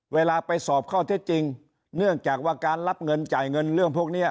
เวลาไปสอบข้อเท็จจริงเนื่องจากว่าการรับเงินจ่ายเงินเรื่องพวกนี้